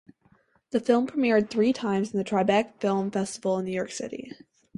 The film premiered three times at the Tribeca Film Festival in New York City.